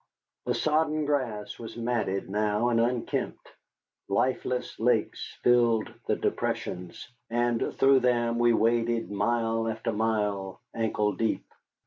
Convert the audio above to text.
The sodden grass was matted now and unkempt. Lifeless lakes filled the depressions, and through them we waded mile after mile ankle deep.